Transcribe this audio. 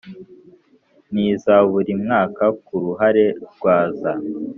n iza buri mwaka ku ruhare rwa za